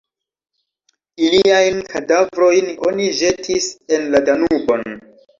Iliajn kadavrojn oni ĵetis en la Danubon.